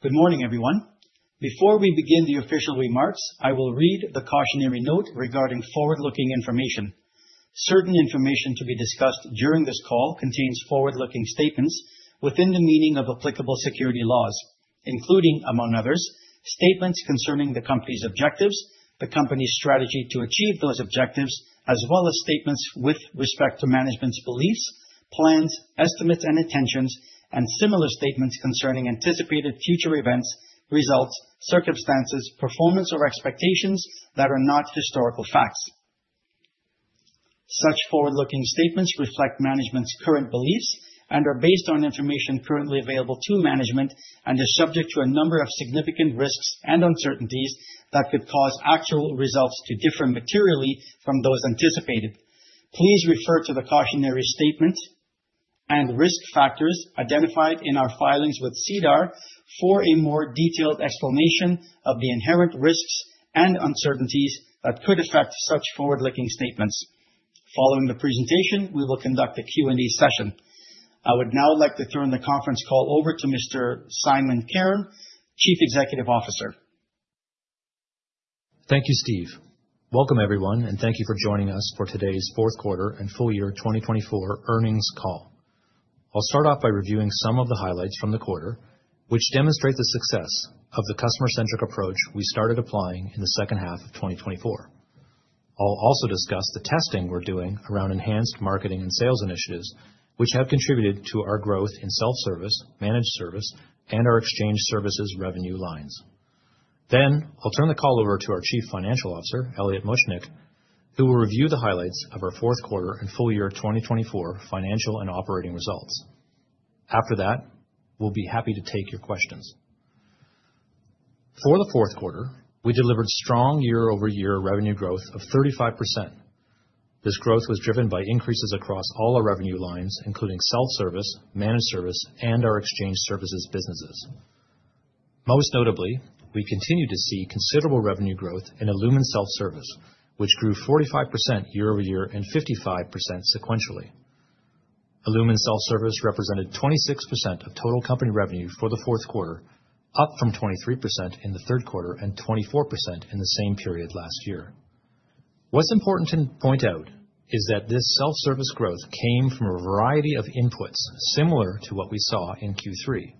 Good morning, everyone. Before we begin the official remarks, I will read the cautionary note regarding forward-looking information. Certain information to be discussed during this call contains forward-looking statements within the meaning of applicable security laws, including, among others, statements concerning the company's objectives, the company's strategy to achieve those objectives, as well as statements with respect to management's beliefs, plans, estimates, and intentions, and similar statements concerning anticipated future events, results, circumstances, performance, or expectations that are not historical facts. Such forward-looking statements reflect management's current beliefs and are based on information currently available to management and are subject to a number of significant risks and uncertainties that could cause actual results to differ materially from those anticipated. Please refer to the cautionary statements and risk factors identified in our filings with SEDAR for a more detailed explanation of the inherent risks and uncertainties that could affect such forward-looking statements. Following the presentation, we will conduct a Q&A session. I would now like to turn the conference call over to Mr. Simon Cairn, Chief Executive Officer. Thank you, Steve. Welcome, everyone, and thank you for joining us for today's fourth quarter and full year 2024 earnings call. I'll start off by reviewing some of the highlights from the quarter, which demonstrate the success of the customer-centric approach we started applying in the second half of 2024. I'll also discuss the testing we're doing around enhanced marketing and sales initiatives, which have contributed to our growth in self-service, managed service, and our exchange services revenue lines. I will turn the call over to our Chief Financial Officer, Elliot Muchnik, who will review the highlights of our fourth quarter and full year 2024 financial and operating results. After that, we'll be happy to take your questions. For the fourth quarter, we delivered strong year-over-year revenue growth of 35%. This growth was driven by increases across all our revenue lines, including self-service, managed service, and our exchange services businesses. Most notably, we continued to see considerable revenue growth in Illumin Holdings' self-service, which grew 45% year-over-year and 55% sequentially. Illumin Holdings' self-service represented 26% of total company revenue for the fourth quarter, up from 23% in the third quarter and 24% in the same period last year. What's important to point out is that this self-service growth came from a variety of inputs similar to what we saw in Q3.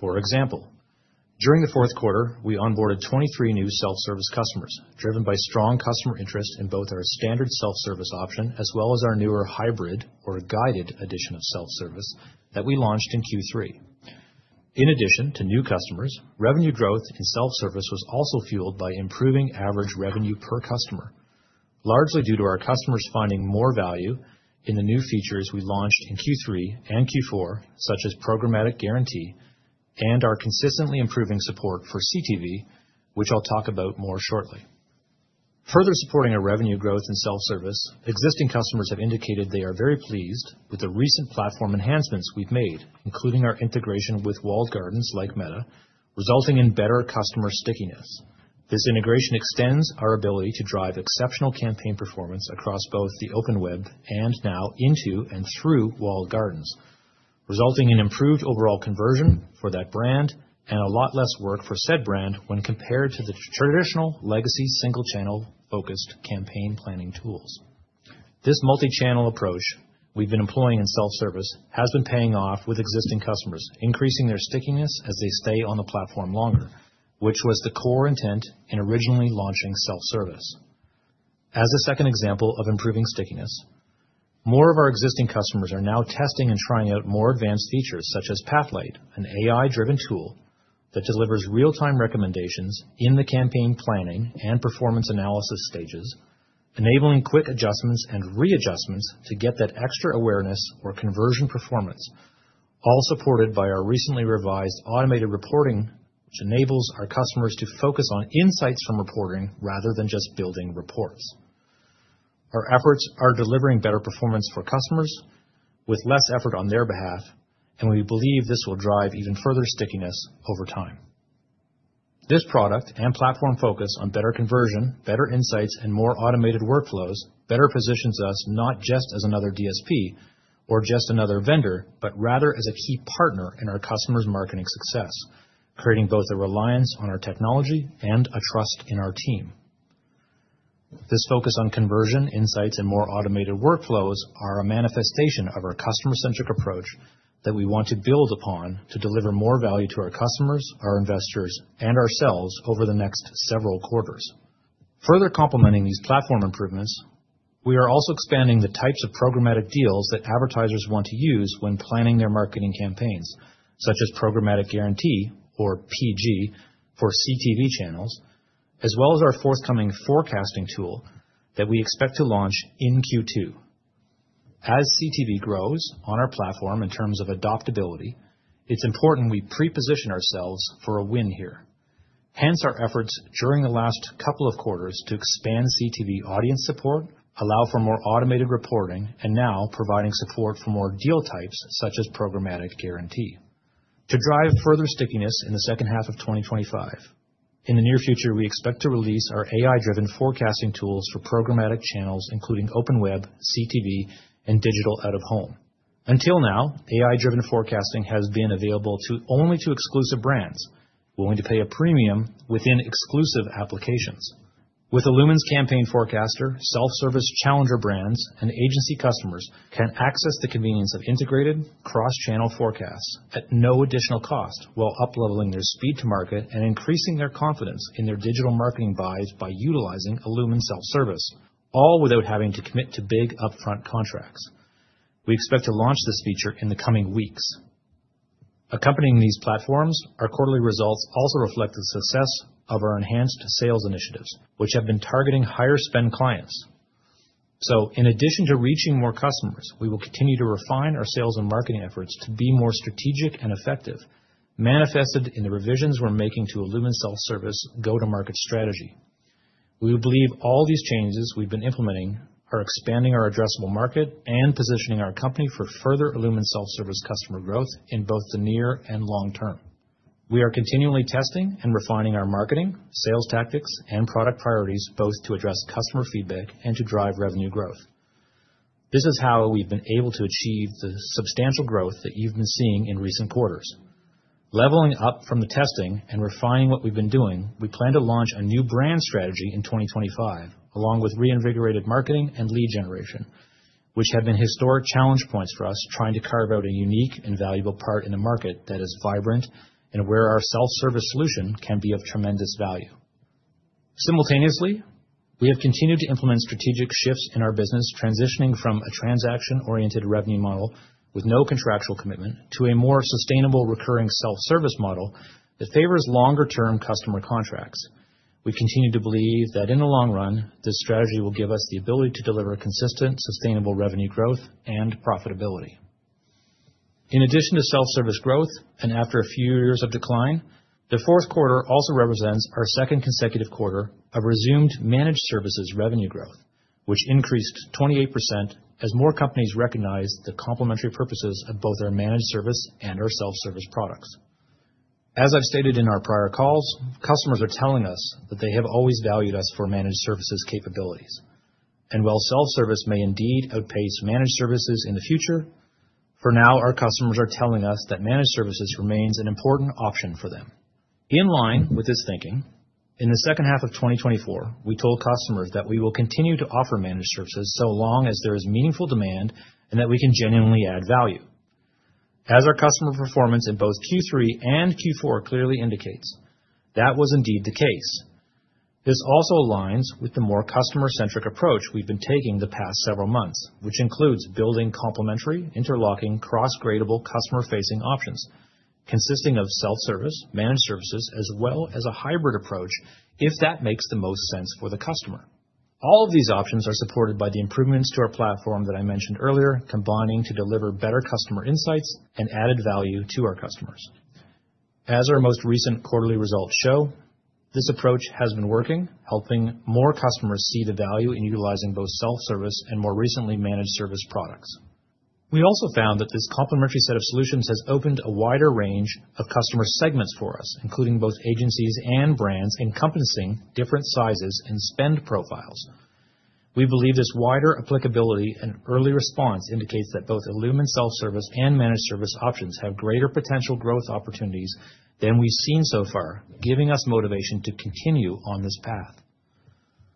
For example, during the fourth quarter, we onboarded 23 new self-service customers, driven by strong customer interest in both our standard self-service option as well as our newer hybrid or guided edition of self-service that we launched in Q3. In addition to new customers, revenue growth in self-service was also fueled by improving average revenue per customer, largely due to our customers finding more value in the new features we launched in Q3 and Q4, such as programmatic guarantee and our consistently improving support for CTV, which I'll talk about more shortly. Further supporting our revenue growth in self-service, existing customers have indicated they are very pleased with the recent platform enhancements we've made, including our integration with walled gardens like Meta, resulting in better customer stickiness. This integration extends our ability to drive exceptional campaign performance across both the open web and now into and through walled gardens, resulting in improved overall conversion for that brand and a lot less work for said brand when compared to the traditional legacy single-channel focused campaign planning tools. This multi-channel approach we've been employing in self-service has been paying off with existing customers, increasing their stickiness as they stay on the platform longer, which was the core intent in originally launching self-service. As a second example of improving stickiness, more of our existing customers are now testing and trying out more advanced features such as Pathlight, an AI-driven tool that delivers real-time recommendations in the campaign planning and performance analysis stages, enabling quick adjustments and readjustments to get that extra awareness or conversion performance, all supported by our recently revised automated reporting, which enables our customers to focus on insights from reporting rather than just building reports. Our efforts are delivering better performance for customers with less effort on their behalf, and we believe this will drive even further stickiness over time. This product and platform focus on better conversion, better insights, and more automated workflows better positions us not just as another DSP or just another vendor, but rather as a key partner in our customers' marketing success, creating both a reliance on our technology and a trust in our team. This focus on conversion, insights, and more automated workflows is a manifestation of our customer-centric approach that we want to build upon to deliver more value to our customers, our investors, and ourselves over the next several quarters. Further complementing these platform improvements, we are also expanding the types of programmatic deals that advertisers want to use when planning their marketing campaigns, such as programmatic guarantee or PG for CTV channels, as well as our forthcoming forecasting tool that we expect to launch in Q2. As CTV grows on our platform in terms of adoptability, it's important we preposition ourselves for a win here. Hence, our efforts during the last couple of quarters to expand CTV audience support, allow for more automated reporting, and now providing support for more deal types such as programmatic guarantee. To drive further stickiness in the second half of 2025, in the near future, we expect to release our AI-driven forecasting tools for programmatic channels, including open web, CTV, and digital out of home. Until now, AI-driven forecasting has been available only to exclusive brands willing to pay a premium within exclusive applications. With illumin Holdings' Campaign Forecaster, self-service challenger brands and agency customers can access the convenience of integrated cross-channel forecasts at no additional cost while upleveling their speed to market and increasing their confidence in their digital marketing buys by utilizing illumin Holdings' self-service, all without having to commit to big upfront contracts. We expect to launch this feature in the coming weeks. Accompanying these platforms, our quarterly results also reflect the success of our enhanced sales initiatives, which have been targeting higher-spend clients. In addition to reaching more customers, we will continue to refine our sales and marketing efforts to be more strategic and effective, manifested in the revisions we're making to illumin Holdings' self-service go-to-market strategy. We believe all these changes we've been implementing are expanding our addressable market and positioning our company for further illumin Holdings' self-service customer growth in both the near and long term. We are continually testing and refining our marketing, sales tactics, and product priorities both to address customer feedback and to drive revenue growth. This is how we've been able to achieve the substantial growth that you've been seeing in recent quarters. Leveling up from the testing and refining what we've been doing, we plan to launch a new brand strategy in 2025, along with reinvigorated marketing and lead generation, which have been historic challenge points for us trying to carve out a unique and valuable part in the market that is vibrant and where our self-service solution can be of tremendous value. Simultaneously, we have continued to implement strategic shifts in our business, transitioning from a transaction-oriented revenue model with no contractual commitment to a more sustainable recurring self-service model that favors longer-term customer contracts. We continue to believe that in the long run, this strategy will give us the ability to deliver consistent, sustainable revenue growth and profitability. In addition to self-service growth and after a few years of decline, the fourth quarter also represents our second consecutive quarter of resumed managed services revenue growth, which increased 28% as more companies recognized the complementary purposes of both our managed service and our self-service products. As I've stated in our prior calls, customers are telling us that they have always valued us for managed services capabilities. While self-service may indeed outpace managed services in the future, for now, our customers are telling us that managed services remains an important option for them. In line with this thinking, in the second half of 2024, we told customers that we will continue to offer managed services so long as there is meaningful demand and that we can genuinely add value. As our customer performance in both Q3 and Q4 clearly indicates, that was indeed the case. This also aligns with the more customer-centric approach we've been taking the past several months, which includes building complementary, interlocking, cross-gradable customer-facing options consisting of self-service, managed services, as well as a hybrid approach if that makes the most sense for the customer. All of these options are supported by the improvements to our platform that I mentioned earlier, combining to deliver better customer insights and added value to our customers. As our most recent quarterly results show, this approach has been working, helping more customers see the value in utilizing both self-service and, more recently, managed service products. We also found that this complementary set of solutions has opened a wider range of customer segments for us, including both agencies and brands encompassing different sizes and spend profiles. We believe this wider applicability and early response indicates that both illumin Holdings' self-service and managed service options have greater potential growth opportunities than we've seen so far, giving us motivation to continue on this path.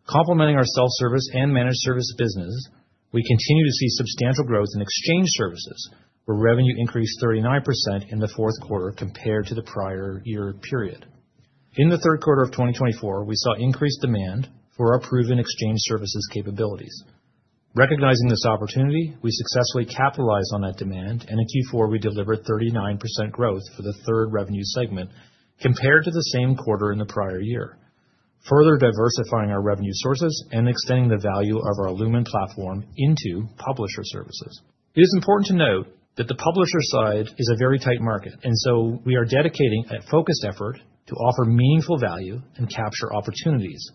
Complementing our self-service and managed service businesses, we continue to see substantial growth in exchange services, where revenue increased 39% in the fourth quarter compared to the prior year period. In the third quarter of 2024, we saw increased demand for our proven exchange services capabilities. Recognizing this opportunity, we successfully capitalized on that demand, and in Q4, we delivered 39% growth for the third revenue segment compared to the same quarter in the prior year, further diversifying our revenue sources and extending the value of our illumin Holdings platform into publisher services. It is important to note that the publisher side is a very tight market, and we are dedicating a focused effort to offer meaningful value and capture opportunities,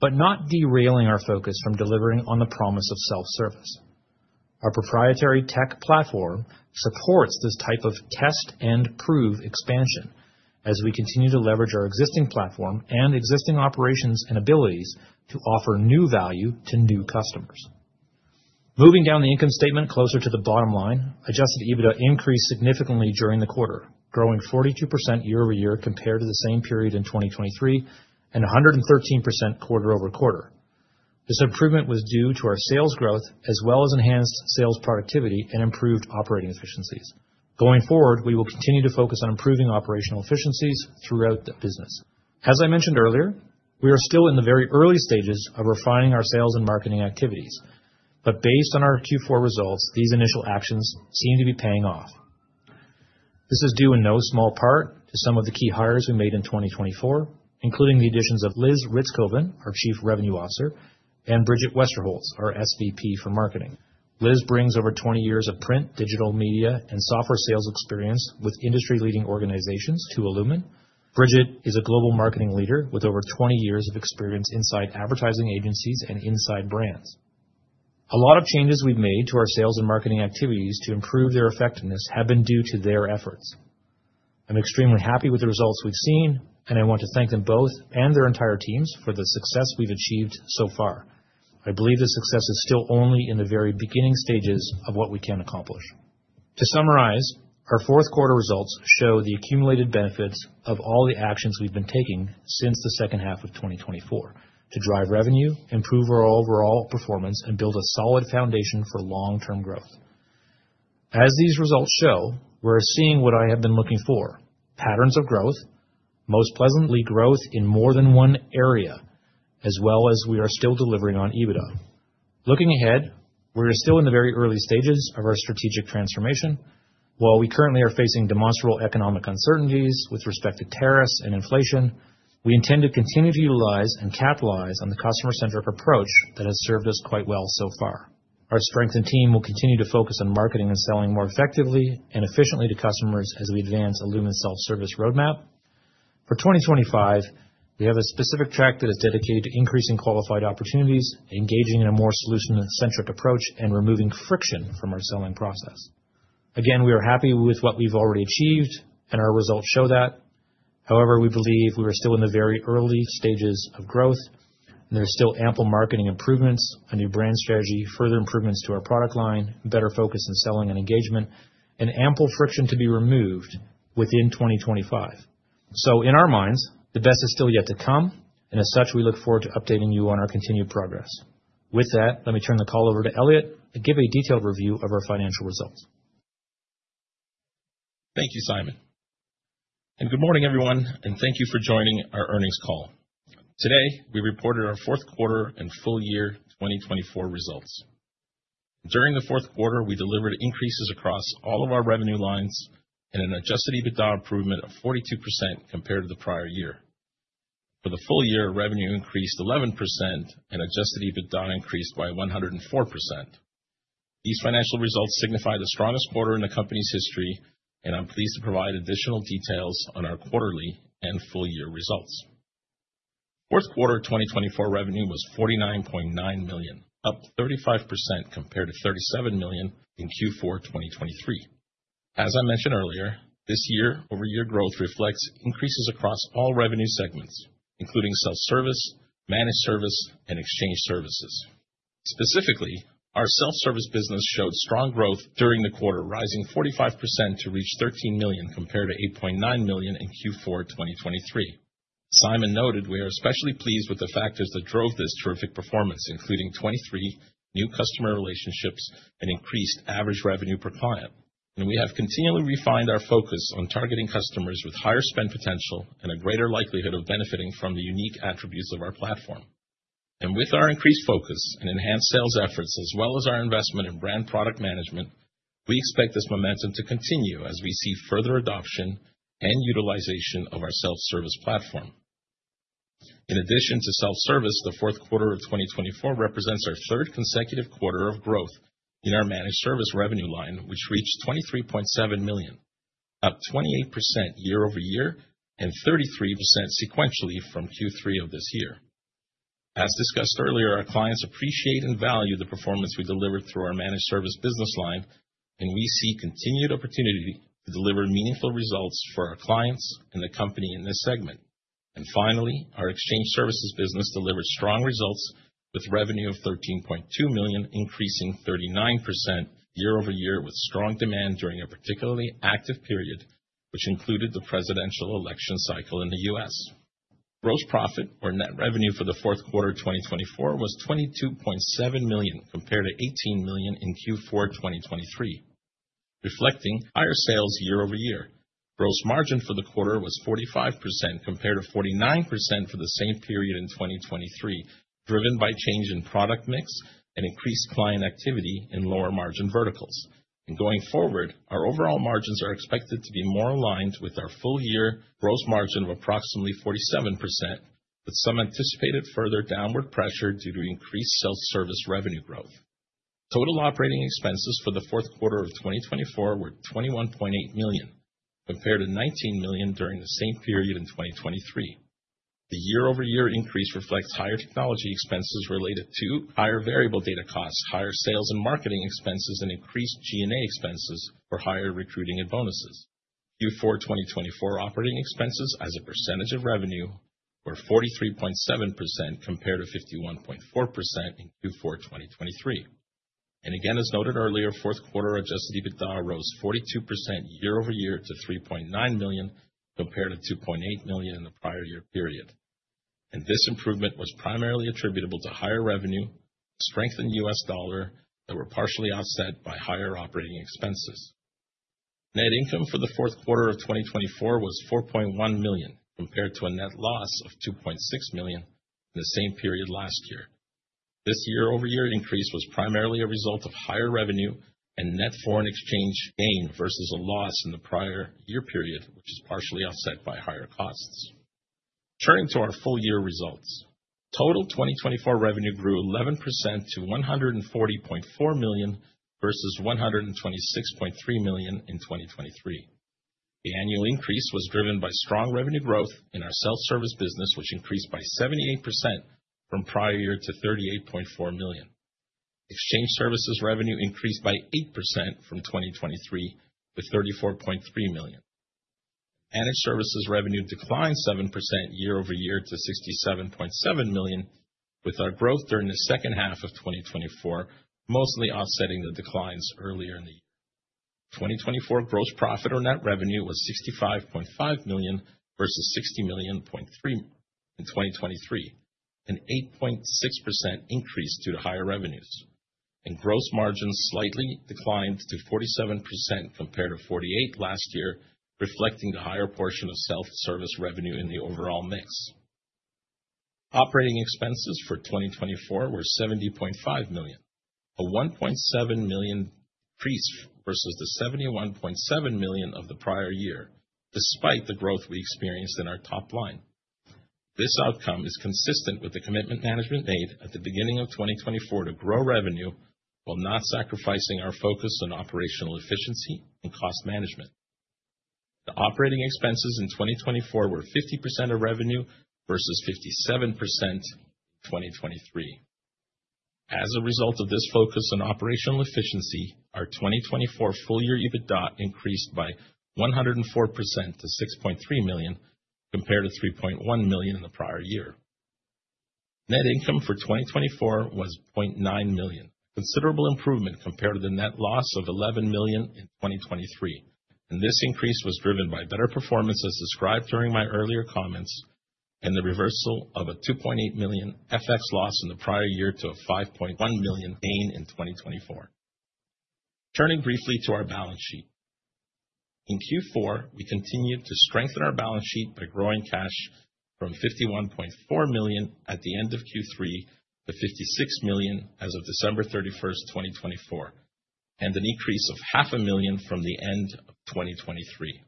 but not derailing our focus from delivering on the promise of self-service. Our proprietary tech platform supports this type of test and prove expansion as we continue to leverage our existing platform and existing operations and abilities to offer new value to new customers. Moving down the income statement closer to the bottom line, adjusted EBITDA increased significantly during the quarter, growing 42% year-over-year compared to the same period in 2023 and 113% quarter-over-quarter. This improvement was due to our sales growth as well as enhanced sales productivity and improved operating efficiencies. Going forward, we will continue to focus on improving operational efficiencies throughout the business. As I mentioned earlier, we are still in the very early stages of refining our sales and marketing activities, but based on our Q4 results, these initial actions seem to be paying off. This is due in no small part to some of the key hires we made in 2024, including the additions of Liz Ritzcovan, our Chief Revenue Officer, and Bridget Westerholz, our SVP for Marketing. Liz brings over 20 years of print, digital media, and software sales experience with industry-leading organizations to illumin Holdings. Bridget is a global marketing leader with over 20 years of experience inside advertising agencies and inside brands. A lot of changes we've made to our sales and marketing activities to improve their effectiveness have been due to their efforts. I'm extremely happy with the results we've seen, and I want to thank them both and their entire teams for the success we've achieved so far. I believe this success is still only in the very beginning stages of what we can accomplish. To summarize, our fourth quarter results show the accumulated benefits of all the actions we've been taking since the second half of 2024 to drive revenue, improve our overall performance, and build a solid foundation for long-term growth. As these results show, we're seeing what I have been looking for: patterns of growth, most pleasantly growth in more than one area, as well as we are still delivering on EBITDA. Looking ahead, we are still in the very early stages of our strategic transformation. While we currently are facing demonstrable economic uncertainties with respect to tariffs and inflation, we intend to continue to utilize and capitalize on the customer-centric approach that has served us quite well so far. Our strength and team will continue to focus on marketing and selling more effectively and efficiently to customers as we advance illumin Holdings' self-service roadmap. For 2025, we have a specific track that is dedicated to increasing qualified opportunities, engaging in a more solution-centric approach, and removing friction from our selling process. Again, we are happy with what we've already achieved, and our results show that. However, we believe we are still in the very early stages of growth, and there are still ample marketing improvements, a new brand strategy, further improvements to our product line, better focus in selling and engagement, and ample friction to be removed within 2025. In our minds, the best is still yet to come, and as such, we look forward to updating you on our continued progress. With that, let me turn the call over to Elliot to give a detailed review of our financial results. Thank you, Simon. Good morning, everyone, and thank you for joining our earnings call. Today, we reported our fourth quarter and full year 2024 results. During the fourth quarter, we delivered increases across all of our revenue lines and an adjusted EBITDA improvement of 42% compared to the prior year. For the full year, revenue increased 11% and adjusted EBITDA increased by 104%. These financial results signify the strongest quarter in the company's history, and I'm pleased to provide additional details on our quarterly and full year results. Fourth quarter 2024 revenue was 49.9 million, up 35% compared to 37 million in Q4 2023. As I mentioned earlier, this year-over-year growth reflects increases across all revenue segments, including self-service, managed service, and exchange services. Specifically, our self-service business showed strong growth during the quarter, rising 45% to reach 13 million compared to 8.9 million in Q4 2023. Simon noted we are especially pleased with the factors that drove this terrific performance, including 23 new customer relationships and increased average revenue per client. We have continually refined our focus on targeting customers with higher spend potential and a greater likelihood of benefiting from the unique attributes of our platform. With our increased focus and enhanced sales efforts, as well as our investment in brand product management, we expect this momentum to continue as we see further adoption and utilization of our self-service platform. In addition to self-service, the fourth quarter of 2024 represents our third consecutive quarter of growth in our managed service revenue line, which reached 23.7 million, up 28% year-over-year and 33% sequentially from Q3 of this year. As discussed earlier, our clients appreciate and value the performance we delivered through our managed service business line, and we see continued opportunity to deliver meaningful results for our clients and the company in this segment. Our exchange service business delivered strong results with revenue of 13.2 million, increasing 39% year-over-year with strong demand during a particularly active period, which included the presidential election cycle in the U.S. Gross profit, or net revenue for the fourth quarter 2024, was 22.7 million compared to 18 million in Q4 2023, reflecting higher sales year-over-year. Gross margin for the quarter was 45% compared to 49% for the same period in 2023, driven by change in product mix and increased client activity in lower margin verticals. Going forward, our overall margins are expected to be more aligned with our full year gross margin of approximately 47%, with some anticipated further downward pressure due to increased self-service revenue growth. Total operating expenses for the fourth quarter of 2024 were 21.8 million compared to 19 million during the same period in 2023. The year-over-year increase reflects higher technology expenses related to higher variable data costs, higher sales and marketing expenses, and increased G&A expenses for higher recruiting and bonuses. Q4 2024 operating expenses, as a percentage of revenue, were 43.7% compared to 51.4% in Q4 2023. As noted earlier, fourth quarter adjusted EBITDA rose 42% year-over-year to $3.9 million compared to $2.8 million in the prior year period. This improvement was primarily attributable to higher revenue and strength in the U.S. dollar that were partially offset by higher operating expenses. Net income for the fourth quarter of 2024 was $4.1 million compared to a net loss of $2.6 million in the same period last year. This year-over-year increase was primarily a result of higher revenue and net foreign exchange gain versus a loss in the prior year period, which is partially offset by higher costs. Turning to our full year results, total 2024 revenue grew 11% to $140.4 million versus $126.3 million in 2023. The annual increase was driven by strong revenue growth in our self-service business, which increased by 78% from prior year to $38.4 million. Exchange services revenue increased by 8% from 2023, with 34.3 million. Managed services revenue declined 7% year-over-year to 67.7 million, with our growth during the second half of 2024 mostly offsetting the declines earlier in the year. 2024 gross profit, or net revenue, was 65.5 million versus 60.3 million in 2023, an 8.6% increase due to higher revenues. Gross margins slightly declined to 47% compared to 48% last year, reflecting the higher portion of self-service revenue in the overall mix. Operating expenses for 2024 were 70.5 million, a 1.7 million increase versus the 71.7 million of the prior year, despite the growth we experienced in our top line. This outcome is consistent with the commitment management made at the beginning of 2024 to grow revenue while not sacrificing our focus on operational efficiency and cost management. The operating expenses in 2024 were 50% of revenue versus 57% in 2023. As a result of this focus on operational efficiency, our 2024 full year EBITDA increased by 104% to 6.3 million compared to 3.1 million in the prior year. Net income for 2024 was 0.9 million, a considerable improvement compared to the net loss of 11 million in 2023. This increase was driven by better performance, as described during my earlier comments, and the reversal of a 2.8 million FX loss in the prior year to a 5.1 million gain in 2024. Turning briefly to our balance sheet. In Q4, we continued to strengthen our balance sheet by growing cash from 51.4 million at the end of Q3 to 56 million as of December 31, 2024, an increase of 500,000 from the end of 2023.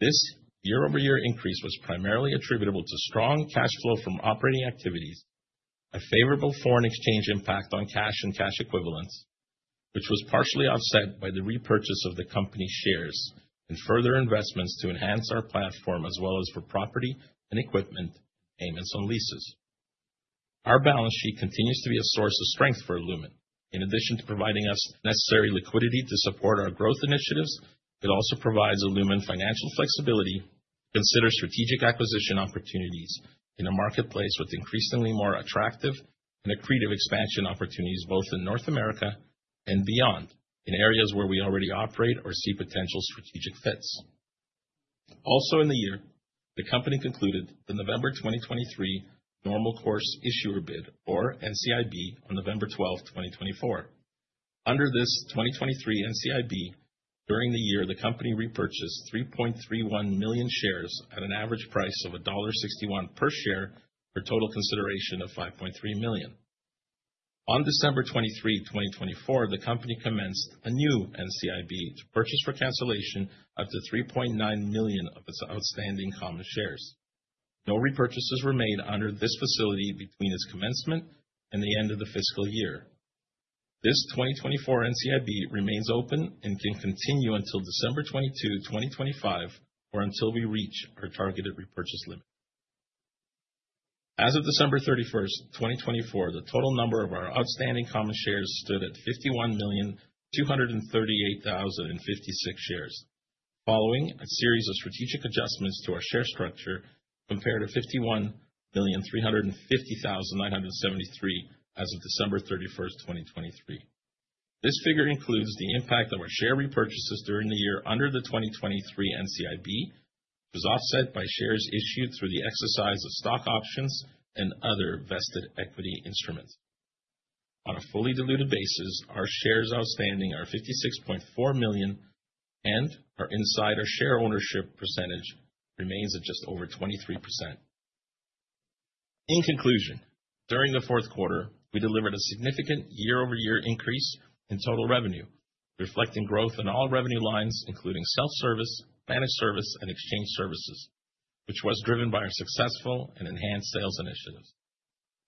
This year-over-year increase was primarily attributable to strong cash flow from operating activities, a favorable foreign exchange impact on cash and cash equivalents, which was partially offset by the repurchase of the company shares and further investments to enhance our platform, as well as for property and equipment payments on leases. Our balance sheet continues to be a source of strength for illumin Holdings. In addition to providing us the necessary liquidity to support our growth initiatives, it also provides illumin Holdings financial flexibility to consider strategic acquisition opportunities in a marketplace with increasingly more attractive and accretive expansion opportunities, both in North America and beyond, in areas where we already operate or see potential strategic fits. Also, in the year, the company concluded the November 2023 normal course issuer bid, or NCIB, on November 12th, 2024. Under this 2023 NCIB, during the year, the company repurchased 3.31 million shares at an average price of dollar 1.61 per share for a total consideration of 5.3 million. On December 23, 2024, the company commenced a new NCIB to purchase for cancellation up to 3.9 million of its outstanding common shares. No repurchases were made under this facility between its commencement and the end of the fiscal year. This 2024 NCIB remains open and can continue until December 22, 2025, or until we reach our targeted repurchase limit. As of December 31, 2024, the total number of our outstanding common shares stood at 51,238,056 shares, following a series of strategic adjustments to our share structure compared to 51,350,973 as of December 31, 2023. This figure includes the impact of our share repurchases during the year under the 2023 NCIB, which was offset by shares issued through the exercise of stock options and other vested equity instruments. On a fully diluted basis, our shares outstanding are 56.4 million, and our insider share ownership percentage remains at just over 23%. In conclusion, during the fourth quarter, we delivered a significant year-over-year increase in total revenue, reflecting growth in all revenue lines, including self-service, managed service, and exchange service, which was driven by our successful and enhanced sales initiatives.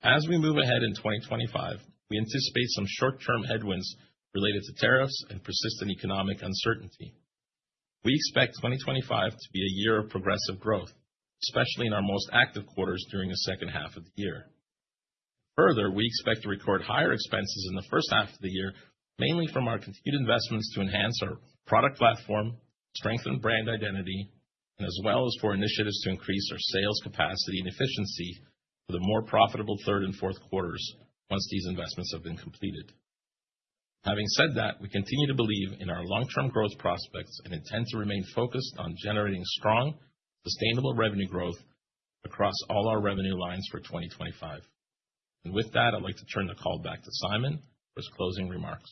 As we move ahead in 2025, we anticipate some short-term headwinds related to tariffs and persistent economic uncertainty. We expect 2025 to be a year of progressive growth, especially in our most active quarters during the second half of the year. Further, we expect to record higher expenses in the first half of the year, mainly from our continued investments to enhance our product platform, strengthen brand identity, and as well as for initiatives to increase our sales capacity and efficiency for the more profitable third and fourth quarters once these investments have been completed. Having said that, we continue to believe in our long-term growth prospects and intend to remain focused on generating strong, sustainable revenue growth across all our revenue lines for 2025. With that, I'd like to turn the call back to Simon for his closing remarks.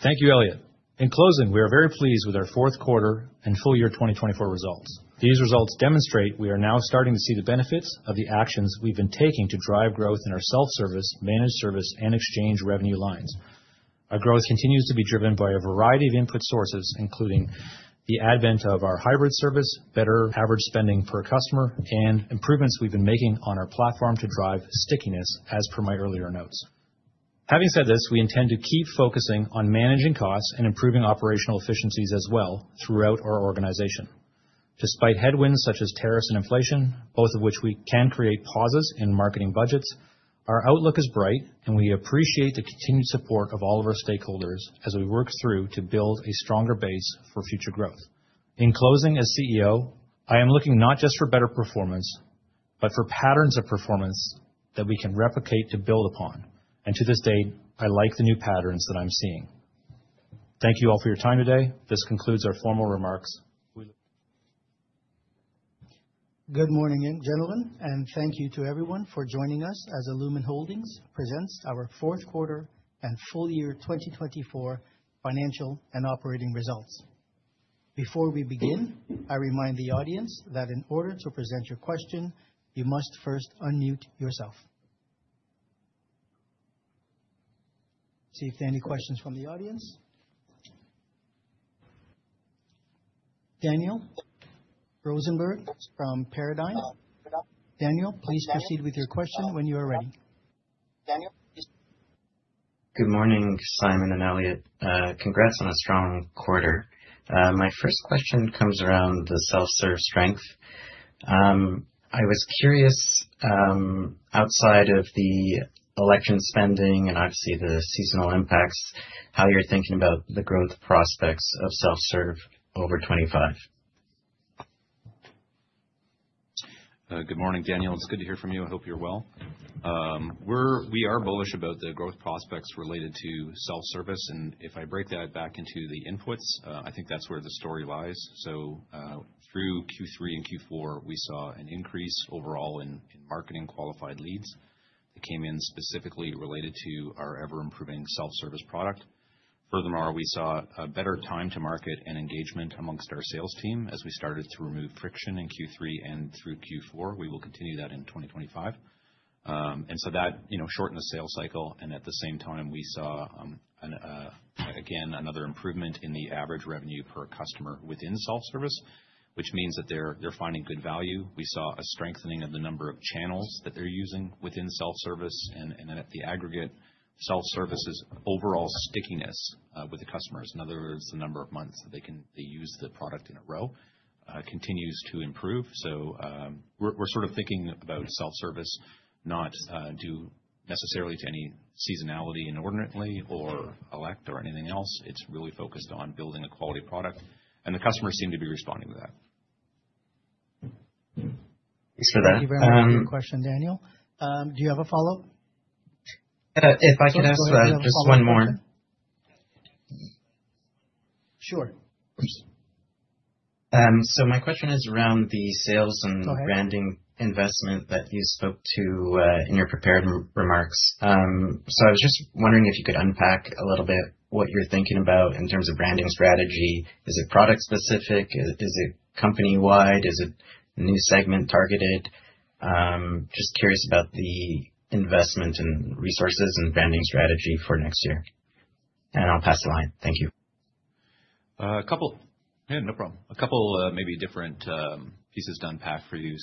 Thank you, Elliot. In closing, we are very pleased with our fourth quarter and full year 2024 results. These results demonstrate we are now starting to see the benefits of the actions we've been taking to drive growth in our self-service, managed service, and exchange revenue lines. Our growth continues to be driven by a variety of input sources, including the advent of our hybrid service, better average spending per customer, and improvements we have been making on our platform to drive stickiness, as per my earlier notes. Having said this, we intend to keep focusing on managing costs and improving operational efficiencies as well throughout our organization. Despite headwinds such as tariffs and inflation, both of which can create pauses in marketing budgets, our outlook is bright, and we appreciate the continued support of all of our stakeholders as we work through to build a stronger base for future growth. In closing, as CEO, I am looking not just for better performance, but for patterns of performance that we can replicate to build upon. To this date, I like the new patterns that I am seeing. Thank you all for your time today. This concludes our formal remarks. Good morning, gentlemen, and thank you to everyone for joining us as illumin Holdings presents our fourth quarter and full year 2024 financial and operating results. Before we begin, I remind the audience that in order to present your question, you must first unmute yourself. See if there are any questions from the audience. Daniel Rosenberg from Paradigm. Daniel, please proceed with your question when you are ready. Daniel, please. Good morning, Simon and Elliot. Congrats on a strong quarter. My first question comes around the self-serve strength. I was curious, outside of the election spending and obviously the seasonal impacts, how you're thinking about the growth prospects of self-serve over 2025. Good morning, Daniel. It's good to hear from you. I hope you're well. We are bullish about the growth prospects related to self-service. If I break that back into the inputs, I think that's where the story lies. Through Q3 and Q4, we saw an increase overall in marketing qualified leads that came in specifically related to our ever-improving self-service product. Furthermore, we saw a better time to market and engagement amongst our sales team as we started to remove friction in Q3 and through Q4. We will continue that in 2025. That shortened the sales cycle. At the same time, we saw, again, another improvement in the average revenue per customer within self-service, which means that they're finding good value. We saw a strengthening of the number of channels that they're using within self-service. At the aggregate, self-service's overall stickiness with the customers, in other words, the number of months that they use the product in a row, continues to improve. We're sort of thinking about self-service not necessarily to any seasonality inordinately or elect or anything else. It's really focused on building a quality product. The customers seem to be responding to that. Thanks for that. Thank you very much for your question, Daniel. Do you have a follow-up? If I can ask just one more. Sure. Of course. My question is around the sales and branding investment that you spoke to in your prepared remarks. I was just wondering if you could unpack a little bit what you're thinking about in terms of branding strategy. Is it product-specific? Is it company-wide? Is it a new segment targeted? Just curious about the investment and resources and branding strategy for next year. I'll pass the line. Thank you. A couple of, yeah, no problem. A couple of maybe different pieces to unpack for you.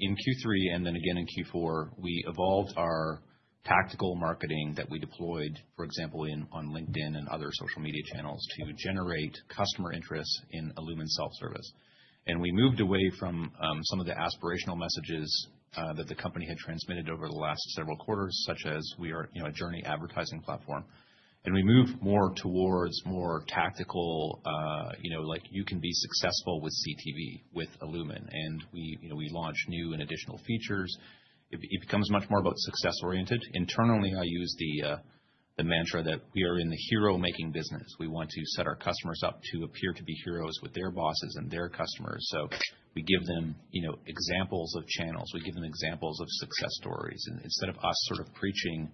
In Q3 and then again in Q4, we evolved our tactical marketing that we deployed, for example, on LinkedIn and other social media channels to generate customer interest in illumin Holdings Self-Service. We moved away from some of the aspirational messages that the company had transmitted over the last several quarters, such as we are a journey advertising platform. We moved more towards more tactical, like you can be successful with CTV with illumin Holdings. We launched new and additional features. It becomes much more about success-oriented. Internally, I use the mantra that we are in the hero-making business. We want to set our customers up to appear to be heroes with their bosses and their customers. We give them examples of channels. We give them examples of success stories. Instead of us sort of preaching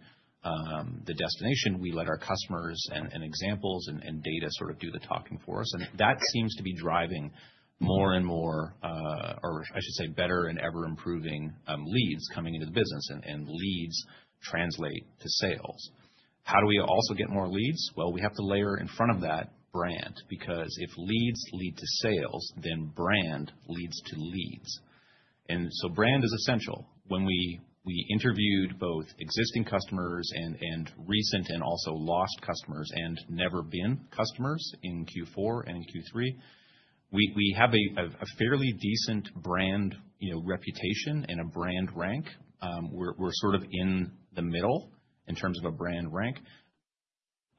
the destination, we let our customers and examples and data sort of do the talking for us. That seems to be driving more and more, or I should say better and ever-improving leads coming into the business. Leads translate to sales. How do we also get more leads? We have to layer in front of that brand because if leads lead to sales, then brand leads to leads. Brand is essential. When we interviewed both existing customers and recent and also lost customers and never-been customers in Q4 and in Q3, we have a fairly decent brand reputation and a brand rank. We're sort of in the middle in terms of a brand rank,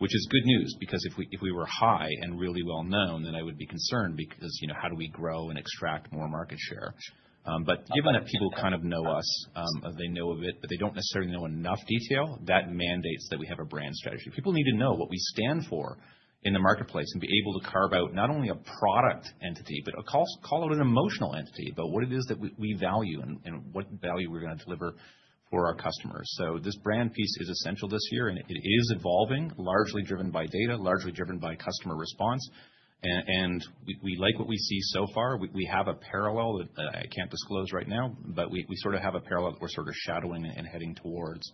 which is good news because if we were high and really well-known, then I would be concerned because how do we grow and extract more market share? Given that people kind of know us, they know of it, but they do not necessarily know enough detail, that mandates that we have a brand strategy. People need to know what we stand for in the marketplace and be able to carve out not only a product entity, but call it an emotional entity, what it is that we value and what value we are going to deliver for our customers. This brand piece is essential this year, and it is evolving, largely driven by data, largely driven by customer response. We like what we see so far. We have a parallel that I can't disclose right now, but we sort of have a parallel that we're sort of shadowing and heading towards.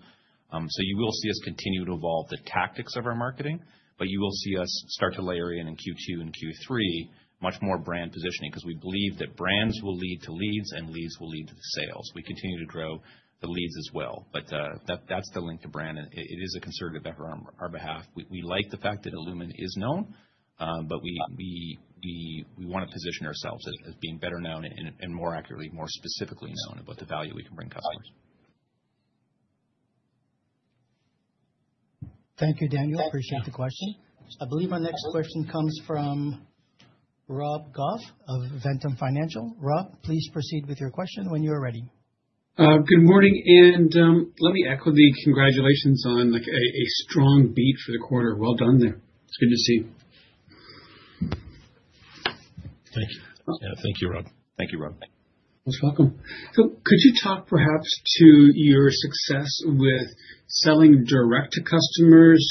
You will see us continue to evolve the tactics of our marketing, and you will see us start to layer in in Q2 and Q3 much more brand positioning because we believe that brands will lead to leads and leads will lead to sales. We continue to grow the leads as well. That's the link to brand. It is a concerted effort on our behalf. We like the fact that illumin Holdings is known, but we want to position ourselves as being better known and more accurately, more specifically known about the value we can bring customers. Thank you, Daniel. Appreciate the question. I believe our next question comes from Rob Goff of Ventum Financial. Rob, please proceed with your question when you're ready. Good morning. Let me echo the congratulations on a strong beat for the quarter. Well done there. It's good to see. Thank you. Thank you, Rob. Thank you, Rob. Most welcome. Could you talk perhaps to your success with selling direct to customers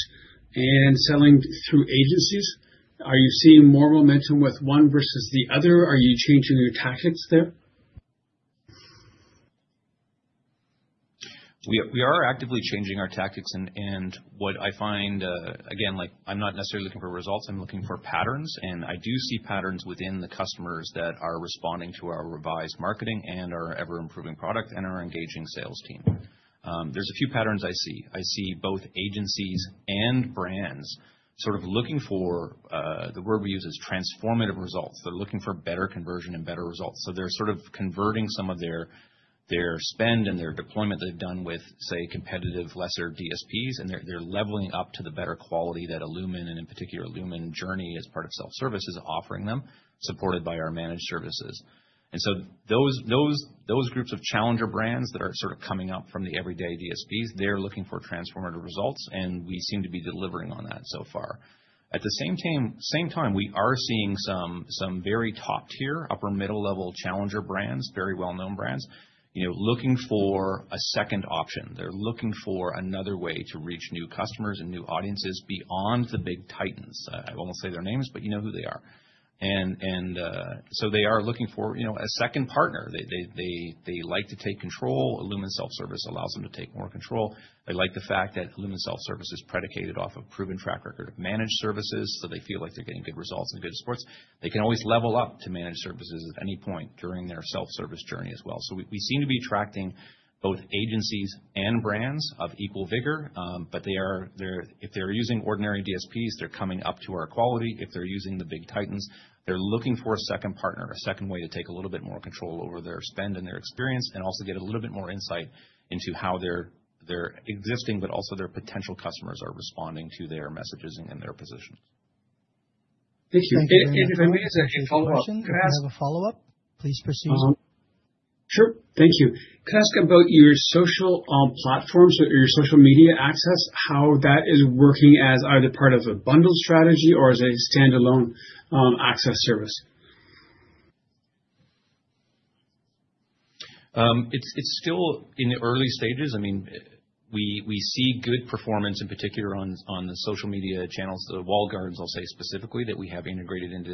and selling through agencies? Are you seeing more momentum with one versus the other? Are you changing your tactics there? We are actively changing our tactics. What I find, again, I'm not necessarily looking for results. I'm looking for patterns. I do see patterns within the customers that are responding to our revised marketing and our ever-improving product and our engaging sales team. There's a few patterns I see. I see both agencies and brands sort of looking for the word we use is transformative results. They're looking for better conversion and better results. They are sort of converting some of their spend and their deployment they have done with, say, competitive lesser DSPs, and they are leveling up to the better quality that illumin Holdings, and in particular, illumin Holdings Journey as part of self-service is offering them, supported by our managed services. Those groups of challenger brands that are coming up from the everyday DSPs are looking for transformative results, and we seem to be delivering on that so far. At the same time, we are seeing some very top-tier, upper-middle-level challenger brands, very well-known brands, looking for a second option. They are looking for another way to reach new customers and new audiences beyond the big titans. I will not say their names, but you know who they are. They are looking for a second partner. They like to take control. illumin Holdings Self-Service allows them to take more control. They like the fact that illumin Holdings Self-Service is predicated off of a proven track record of managed services, so they feel like they're getting good results and good supports. They can always level up to managed services at any point during their self-service journey as well. We seem to be attracting both agencies and brands of equal vigor, but if they're using ordinary DSPs, they're coming up to our quality. If they're using the big titans, they're looking for a second partner, a second way to take a little bit more control over their spend and their experience, and also get a little bit more insight into how their existing, but also their potential customers are responding to their messages and their positions. Thank you. If I may ask a follow-up, could I ask? Can I have a follow-up? Please proceed. Sure. Thank you. Could I ask about your social platforms, your social media access, how that is working as either part of a bundled strategy or as a standalone access service? It's still in the early stages. I mean, we see good performance in particular on the social media channels, the walled gardens, I'll say specifically, that we have integrated into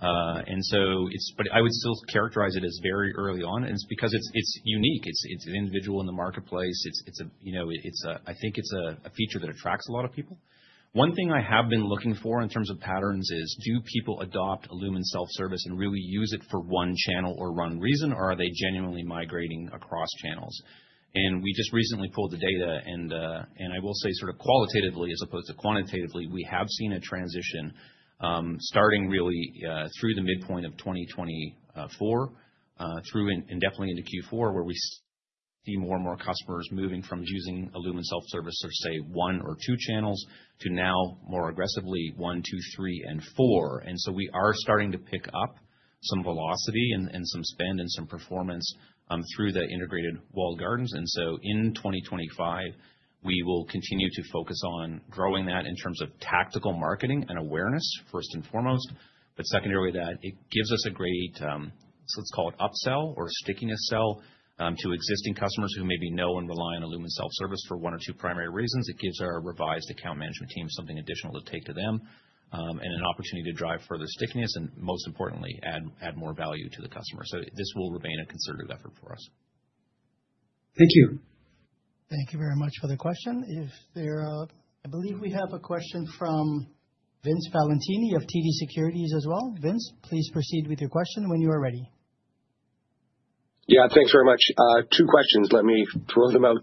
self-service. I would still characterize it as very early on. It's because it's unique. It's an individual in the marketplace. I think it's a feature that attracts a lot of people. One thing I have been looking for in terms of patterns is, do people adopt illumin Holdings Self-Service and really use it for one channel or one reason, or are they genuinely migrating across channels? We just recently pulled the data. I will say sort of qualitatively as opposed to quantitatively, we have seen a transition starting really through the midpoint of 2024 through and definitely into Q4, where we see more and more customers moving from using illumin Holdings Self-Service or say one or two channels to now more aggressively one, two, three, and four. We are starting to pick up some velocity and some spend and some performance through the integrated walled gardens. In 2025, we will continue to focus on growing that in terms of tactical marketing and awareness, first and foremost. Secondarily, that gives us a great, let's call it upsell or stickiness sell to existing customers who maybe know and rely on illumin Holdings Self-Service for one or two primary reasons. It gives our revised account management team something additional to take to them and an opportunity to drive further stickiness and, most importantly, add more value to the customer. This will remain a concerted effort for us. Thank you. Thank you very much for the question. I believe we have a question from Vince Valentini of TD Securities as well. Vince, please proceed with your question when you are ready. Yeah, thanks very much. Two questions. Let me throw them out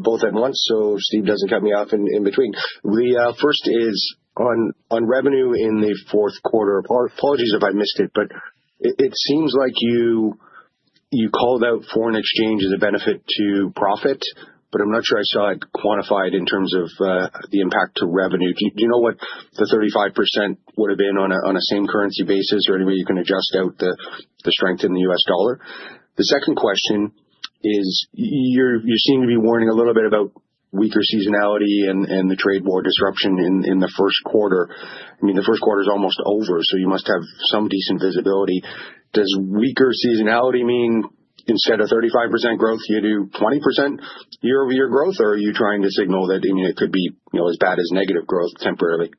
both at once so Steve does not cut me off in between. The first is on revenue in the fourth quarter. Apologies if I missed it, but it seems like you called out foreign exchange as a benefit to profit, but I am not sure I saw it quantified in terms of the impact to revenue. Do you know what the 35% would have been on a same currency basis or any way you can adjust out the strength in the U.S. dollar? The second question is you're seeming to be warning a little bit about weaker seasonality and the trade war disruption in the first quarter. I mean, the first quarter is almost over, so you must have some decent visibility. Does weaker seasonality mean instead of 35% growth, you do 20% year-over-year growth, or are you trying to signal that it could be as bad as negative growth temporarily?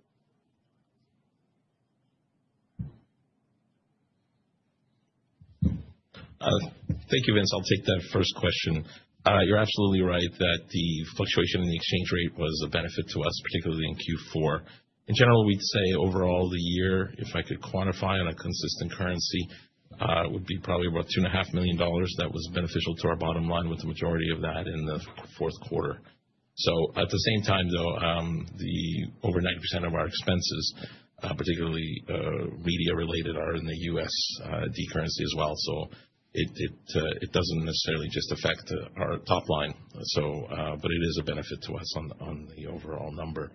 Thank you, Vince. I'll take that first question. You're absolutely right that the fluctuation in the exchange rate was a benefit to us, particularly in Q4. In general, we'd say overall the year, if I could quantify on a consistent currency, it would be probably about $2.5 million that was beneficial to our bottom line with the majority of that in the fourth quarter. At the same time, though, over 90% of our expenses, particularly media-related, are in the USD currency as well. It does not necessarily just affect our top line, but it is a benefit to us on the overall number.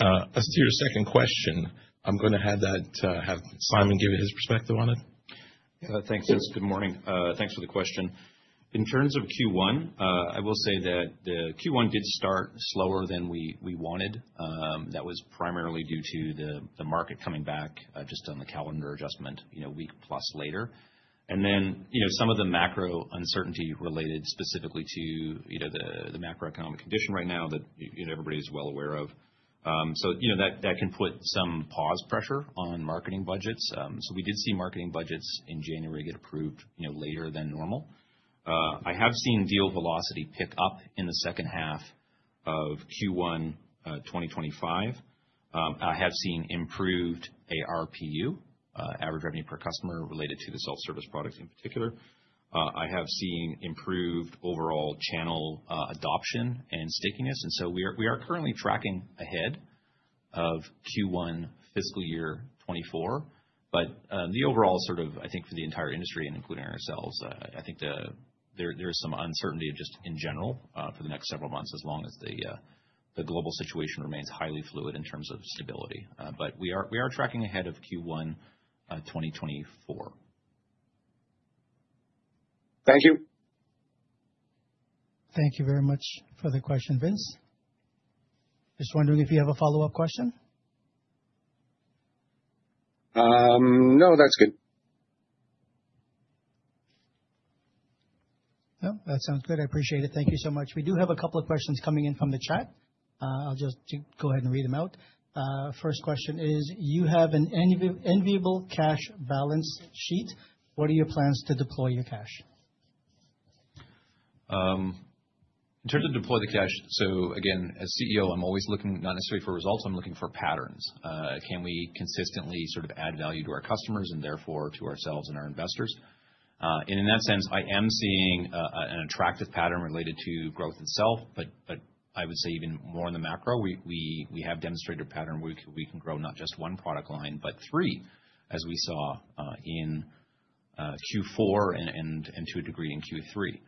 As to your second question, I'm going to have Simon give you his perspective on it. Yeah, thanks, Vince. Good morning. Thanks for the question. In terms of Q1, I will say that Q1 did start slower than we wanted. That was primarily due to the market coming back just on the calendar adjustment a week plus later. Some of the macro uncertainty is related specifically to the macroeconomic condition right now that everybody is well aware of. That can put some pause pressure on marketing budgets. We did see marketing budgets in January get approved later than normal. I have seen deal velocity pick up in the second half of Q1 2025. I have seen improved ARPU, average revenue per customer, related to the self-service products in particular. I have seen improved overall channel adoption and stickiness. We are currently tracking ahead of Q1 fiscal year 2024. The overall sort of, I think, for the entire industry and including ourselves, there is some uncertainty just in general for the next several months as long as the global situation remains highly fluid in terms of stability. We are tracking ahead of Q1 2024. Thank you. Thank you very much for the question, Vince. Just wondering if you have a follow-up question. No, that's good. No, that sounds good. I appreciate it. Thank you so much. We do have a couple of questions coming in from the chat. I'll just go ahead and read them out. First question is, you have an enviable cash balance sheet. What are your plans to deploy your cash? In terms of deploying the cash, again, as CEO, I'm always looking not necessarily for results. I'm looking for patterns. Can we consistently sort of add value to our customers and therefore to ourselves and our investors? In that sense, I am seeing an attractive pattern related to growth itself, but I would say even more in the macro. We have demonstrated a pattern where we can grow not just one product line, but three, as we saw in Q4 and to a degree in Q3.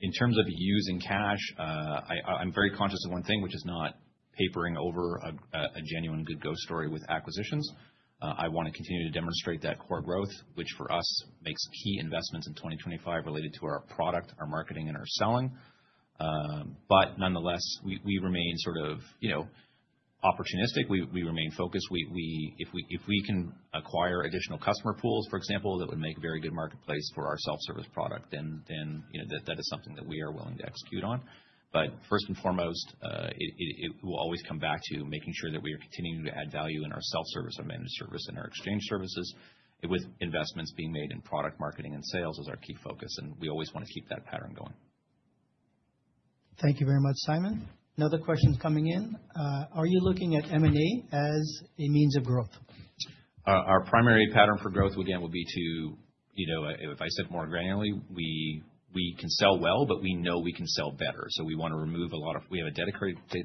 In terms of using cash, I'm very conscious of one thing, which is not papering over a genuine good ghost story with acquisitions. I want to continue to demonstrate that core growth, which for us makes key investments in 2025 related to our product, our marketing, and our selling. Nonetheless, we remain sort of opportunistic. We remain focused. If we can acquire additional customer pools, for example, that would make a very good marketplace for our self-service product, that is something that we are willing to execute on. First and foremost, it will always come back to making sure that we are continuing to add value in our self-service, our managed service, and our exchange services. With investments being made in product marketing and sales as our key focus, and we always want to keep that pattern going. Thank you very much, Simon. Another question coming in. Are you looking at M&A as a means of growth? Our primary pattern for growth, again, would be to, if I said more granularly, we can sell well, but we know we can sell better. We want to remove a lot of we have a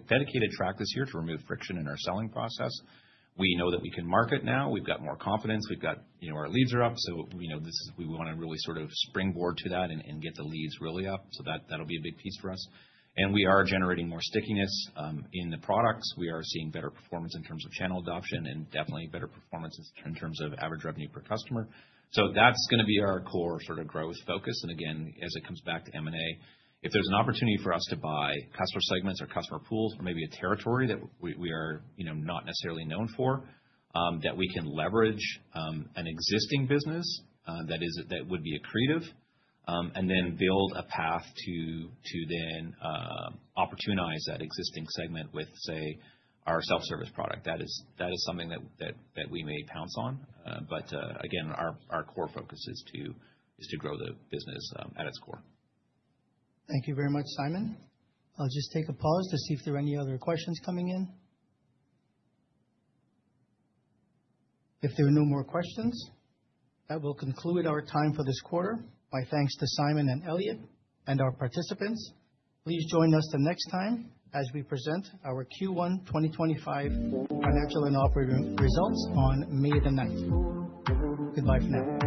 dedicated track this year to remove friction in our selling process. We know that we can market now. We've got more confidence. We've got our leads are up. We want to really sort of springboard to that and get the leads really up. That'll be a big piece for us. We are generating more stickiness in the products. We are seeing better performance in terms of channel adoption and definitely better performance in terms of average revenue per customer. That is going to be our core sort of growth focus. Again, as it comes back to M&A, if there is an opportunity for us to buy customer segments or customer pools or maybe a territory that we are not necessarily known for, that we can leverage an existing business that would be accretive and then build a path to then opportunize that existing segment with, say, our self-service product. That is something that we may pounce on. Again, our core focus is to grow the business at its core. Thank you very much, Simon. I will just take a pause to see if there are any other questions coming in. If there are no more questions, that will conclude our time for this quarter. My thanks to Simon and Elliot and our participants. Please join us the next time as we present our Q1 2025 financial and operating results on May the 9th. Goodbye for now.